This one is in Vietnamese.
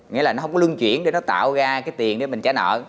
nghĩa là nó không có lưng chuyển để nó tạo ra cái tiền để mình trả nợ